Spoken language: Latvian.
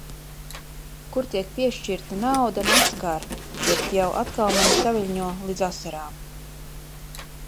Kur tiek piešķirta nauda, neskar, bet jau atkal mani saviļņo līdz asarām.